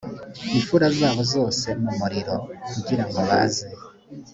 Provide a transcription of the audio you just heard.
impfura zabo zose mu muriro kugira ngo baze